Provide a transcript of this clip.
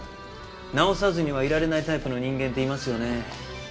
直さずにはいられないタイプの人間っていますよね。